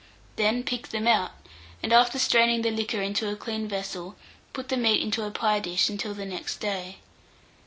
Then pick them out, and after straining the liquor into a clean vessel, put the meat into a pie dish until the next day.